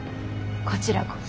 こちらこそ。